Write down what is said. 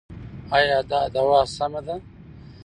ایا دا دوا سمه ده؟